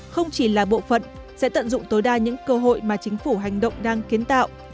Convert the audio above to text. không chỉ là bộ phận sẽ tận dụng tối đa những cơ hội mà chính phủ hành động đang kiến tạo